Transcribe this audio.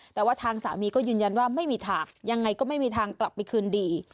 แต่ว่าทางสามีก็ยืนยันว่าไม่มีทางยังไงก็ไม่มีทางกลับไปคืนดี